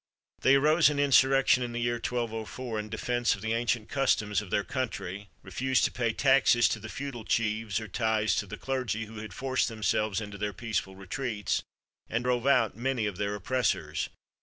They arose in insurrection in the year 1204, in defence of the ancient customs of their country, refused to pay taxes to the feudal chiefs or tithes to the clergy who had forced themselves into their peaceful retreats and drove out many of their oppressors.